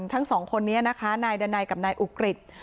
ทั้งสองคนนี้นะคะนายดันัยกับนายอุกฤษ